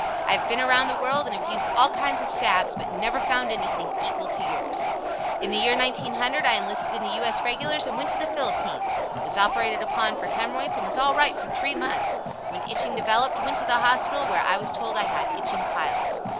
I have been around the world and have used all kinds of salves, but never found anything equal to yours. In the year 1900 I enlisted in the U. S. Regulars and went to the Philippines. Was operated upon for hemorrhoids and was all right for three months. When itching developed, went to the hospital, where I was told I had itching piles.